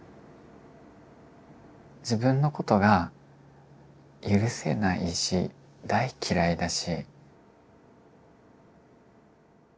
自分のことが許せないし大嫌いだし。